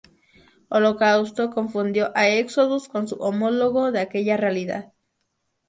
Holocausto confundió a Exodus con su homólogo de aquella realidad.